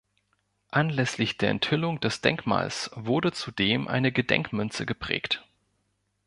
Anlässlich der Enthüllung des Denkmals wurde zudem eine Gedenkmünze geprägt.